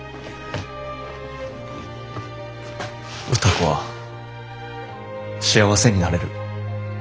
歌子は幸せになれる。